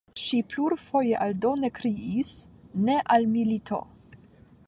Ŝi plurfoje aldone kriis "Ne al milito!".